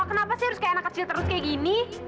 kenapa sih harus kayak anak kecil terus kayak gini